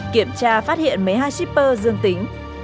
kiểm tra phát hiện mấy hai shipper dương tính